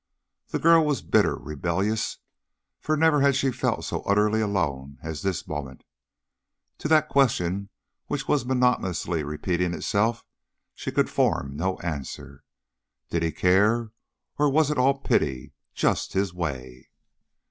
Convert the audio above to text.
The girl was bitter, rebellious, for never had she felt so utterly alone as at this moment. To that question which monotonously repeated itself, she could form no answer. Did he care, or was it all pity just his way?